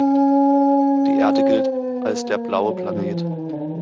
Die Erde gilt als der „blaue Planet“.